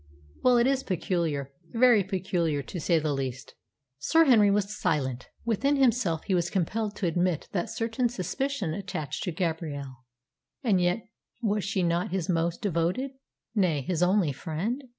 "Well, it is peculiar very peculiar to say the least." Sir Henry was silent. Within himself he was compelled to admit that certain suspicion attached to Gabrielle. And yet was she not his most devoted nay, his only friend?